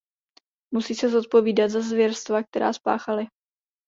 Musí se zodpovídat za zvěrstva, která spáchali.